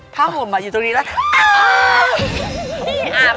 ภาพผมอยู่ตรงนี้แล้ว